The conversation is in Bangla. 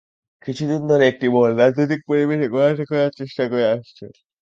কিছুদিন ধরে একটি মহল রাজনৈতিক পরিবেশ ঘোলাটে করার চেষ্টা করে আসছে।